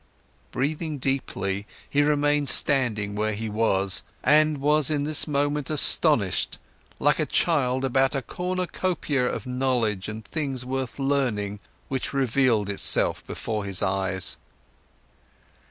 Breathing deeply, he remained standing where he was, and was in this moment astonished like a child about the cornucopia of knowledge and things worth learning, which revealed itself before his eyes.